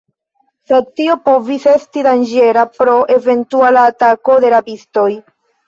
Sed tio povis esti danĝera pro eventuala atako de rabistoj.